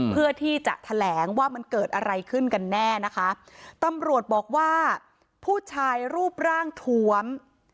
เพื่อที่จะแถลงว่ามันเกิดอะไรขึ้นกันแน่นะคะตำรวจบอกว่าผู้ชายรูปร่างทวม